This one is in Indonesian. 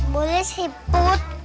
boleh sih put